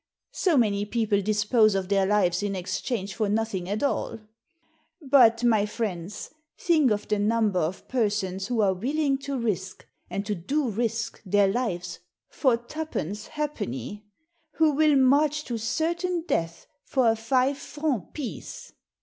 So many people dispose of their lives in exchange for nothing at all ! But, my friends, think of the number of persons who are willing to risk, and who do risk their lives for twopence halfpenny — ^who will march to certain death for a five franc piece.